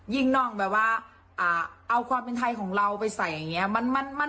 น้องแบบว่าเอาความเป็นไทยของเราไปใส่อย่างนี้